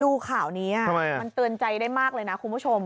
ดูข่าวนี้มันเตือนใจได้มากเลยนะคุณผู้ชม